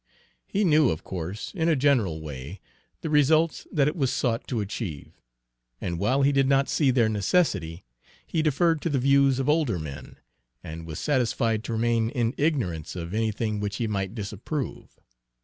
He knew, of course, in a general way, the results that it was sought to achieve; and while he did not see their necessity, he deferred to the views of older men, and was satisfied to remain in ignorance of anything which he might disapprove.